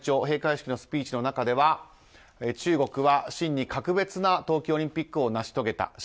閉会式のスピーチの中では中国は真に格別な冬季オリンピックを成し遂げた。